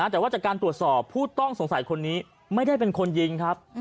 แต่ว่าจากการตรวจสอบผู้ต้องสงสัยคนนี้ไม่ได้เป็นคนยิงครับ